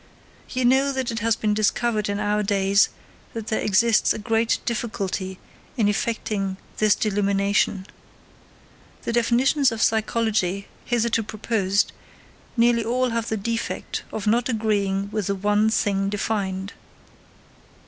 You know that it has been discovered in our days that there exists a great difficulty in effecting this delimitation. The definitions of psychology hitherto proposed nearly all have the defect of not agreeing with the one thing defined.